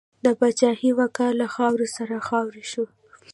د پاچاهۍ وقار له خاورو سره خاورې شو.